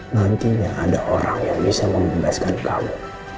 nantinya ada orang yang bisa membebaskan kamu